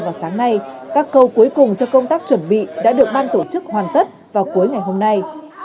vào sáng nay các khâu cuối cùng cho công tác chuẩn bị đã được ban tổ chức hoàn tất vào cuối ngày hôm nay